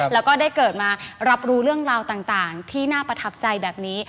แล้วก็ได้เกิดมารับรู้เรื่องราวต่างที่น่าประทับใจแบบนี้